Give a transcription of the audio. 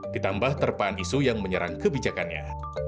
ditambah terpaan isu yang menyerang kebijakannya